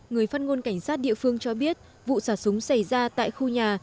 người phát ngôn cảnh sát địa phương cho biết vụ xả súng xảy ra tại khu nhà